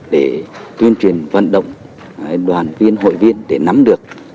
để tuyên truyền vận động đoàn viên hội viên để nắm được